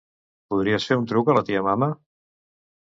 Podries fer un truc a la tia Mame?